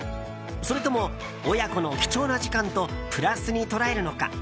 それとも親子の貴重な時間とプラスに捉えるのか。